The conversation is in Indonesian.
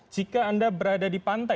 jika anda berada di pantai